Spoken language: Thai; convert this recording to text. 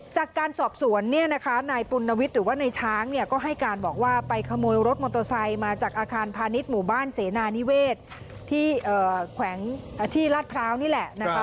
จากการสอบสวนเนี่ยนะคะนายปุณวิทย์หรือว่านายช้างเนี่ยก็ให้การบอกว่าไปขโมยรถมอเตอร์ไซค์มาจากอาคารพาณิชย์หมู่บ้านเสนานิเวศที่แขวงที่ลาดพร้าวนี่แหละนะคะ